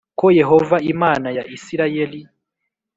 Ko yehova imana ya isirayeli